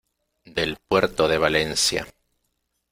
del puerto de Valencia.